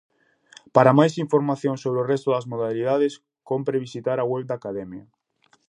Para máis información sobre o resto das modalidades, cómpre visitar a web da Academia.